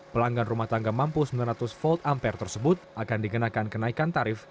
pelanggan rumah tangga mampu sembilan ratus volt ampere tersebut akan dikenakan kenaikan tarif